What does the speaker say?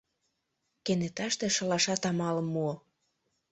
Кенеташте шылашат амалым муо.